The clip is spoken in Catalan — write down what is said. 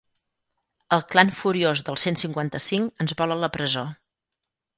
El clan furiós del cent cinquanta-cinc ens vol a la presó.